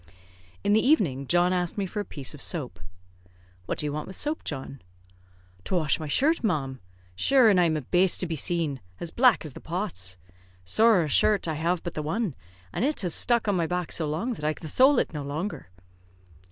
In the evening John asked me for a piece of soap. "What do you want with soap, John?" "To wash my shirt, ma'am. Shure an' I'm a baste to be seen, as black as the pots. Sorra a shirt have I but the one, an' it has stuck on my back so long that I can thole it no longer."